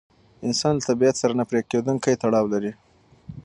انسان له طبیعت سره نه پرېکېدونکی تړاو لري.